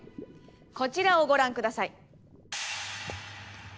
こちらをご覧ください。